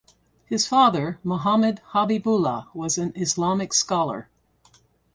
His father Muhammad Habibullah was an Islamic scholar.